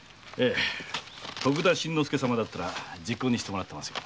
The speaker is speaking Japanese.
徳田新之助さんなら昵懇にしてもらってますよ。